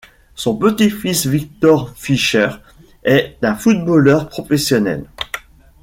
Son petit-fils Viktor Fischer est un footballeur professionnel.